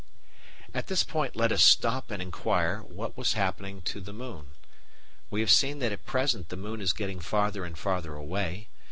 At this point let us stop and inquire what was happening to the moon. We have seen that at present the moon is getting farther and farther away.